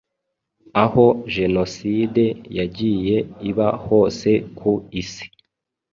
aho jenoside yagiye iba hose ku isi